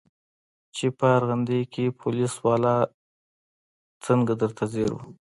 چې په ارغندې کښې پوليس والا څنګه درته ځير و.